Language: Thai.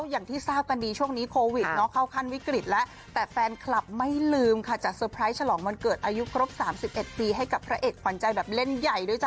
อย่างที่ทราบกันดีช่วงนี้โควิดเนาะเข้าขั้นวิกฤตแล้วแต่แฟนคลับไม่ลืมค่ะจัดเตอร์ไพรส์ฉลองวันเกิดอายุครบ๓๑ปีให้กับพระเอกขวัญใจแบบเล่นใหญ่ด้วยจ้